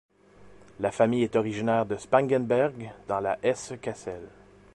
La famille est originaire de Spangenberg, dans la Hesse-Cassel.